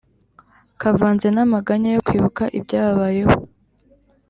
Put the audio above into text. kavanze n’amaganya yo kwibuka ibyababayeho,